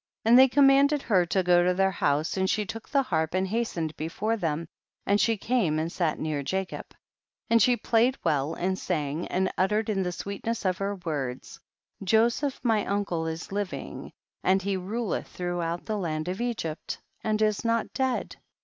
94. And they commanded her to go to their house, and she took the harp and hastened before them, and she came and sat near Jacob. THE BOOK OF JASHER. 17T 95. And she played well and sang, and uttered in tlie sweetness of her words, Joseph my uncle is living, and he ruleth throughout the land of Egypt, and is not dead.